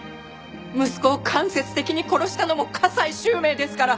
息子を間接的に殺したのも加西周明ですから。